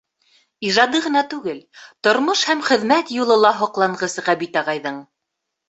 Ижады ғына түгел, тормош һәм хеҙмәт юлы ла һоҡланғыс Ғәбит ағайҙың.